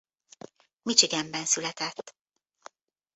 Michiganben született.